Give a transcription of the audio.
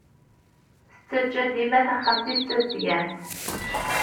Tettaǧǧa dima taxxamt-is d tazeddgant.